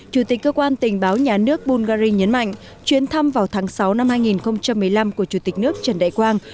chủ tịch cơ quan tình báo nhà nước bungary nhấn mạnh chuyến thăm vào tháng sáu năm hai nghìn một mươi năm của chủ tịch nước trần đại quang